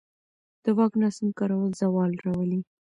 د واک ناسم کارول زوال راولي